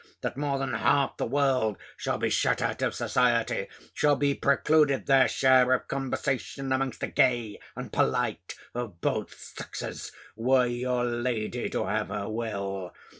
that more than half the world shall be shut out of society, shall be precluded their share of conversation amongst the gay and polite of both sexes, were your lady to have her will!